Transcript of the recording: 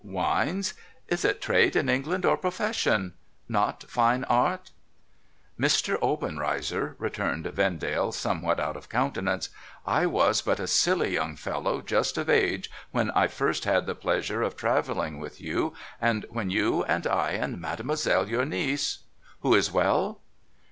AVines ? Is it trade in England or profession? Not fine art?' ' Mr. Obenreizer,' returned Vendale, somewhat out of countenance, ' I was but a silly young fellow, just of age, when I first had the pleasure of travelling with you, and when you and I and Made moiselle your niece — who is well